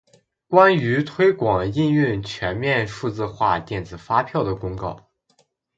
关于推广应用全面数字化电子发票的公告